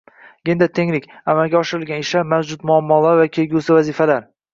Gender tenglik: amalga oshirilgan ishlar, mavjud muammolar va kelgusidagi vazifalar